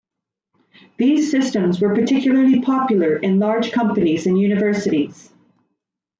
These systems were particularly popular in large companies and universities.